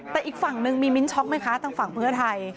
แต่อีกฝั่งหนึ่งมีมิ้นช็อกไหมคะทางฝั่งเพื่อไทย